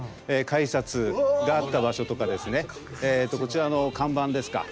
改札があった場所とかですねこちらの看板ですか。